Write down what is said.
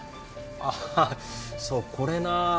ああそうこれなあ。